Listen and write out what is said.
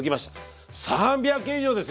３００件以上ですよ！